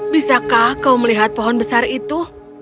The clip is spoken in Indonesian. bisakah kau melihat pohon besar itu